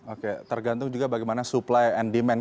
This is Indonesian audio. oke tergantung juga bagaimana supply and demand